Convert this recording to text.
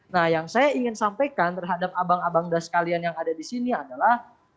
nah yang saya ingin sampaikan terhadap abang abang dan sekalian yang ada di sini adalah